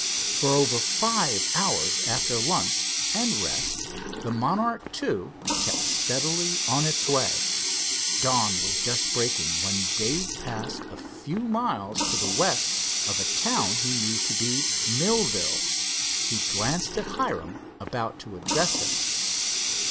For over five hours after lunch and rest the Monarch II kept steadily on its way. Dawn was just breaking when Dave passed a few miles to the west of a town he knew to be Millville. He glanced at Hiram, about to address him.